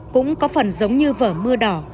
cũng có phần giống như vở mưa đỏ